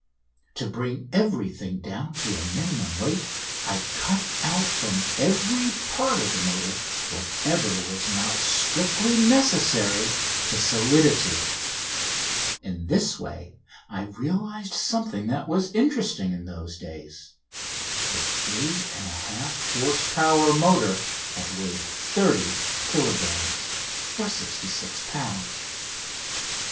To bring everything down to a minimum weight, I cut out from every part of the motor whatever was not strictly necessary to solidity. In this way I realised something that was interesting in those days a 3 1/2 horse power motor that weighed 30 kilogrammes (66 lbs.).